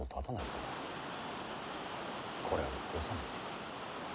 これを収めてこい。